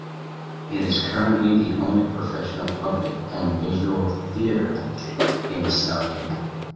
It is currently the only professional puppet and visual theatre in Estonia.